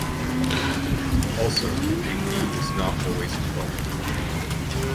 Also, a fee is not always involved.